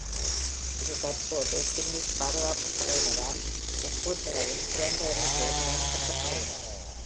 இது தற்போது ஃபின்னிஷ் பாதுகாப்புப் படையினரால் ஒப்பீட்டளவில் குறைந்த எண்ணிக்கையில் பயன்படுத்தப்படுகிறது.